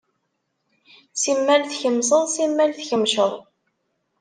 Simmal tkemmseḍ, simmal tkemmceḍ.